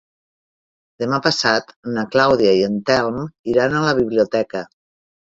Demà passat na Clàudia i en Telm iran a la biblioteca.